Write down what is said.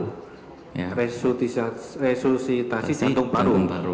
resusitasi jantung paru